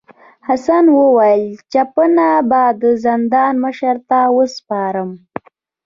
حسن وویل چپنه به زندان مشر ته وسپارم.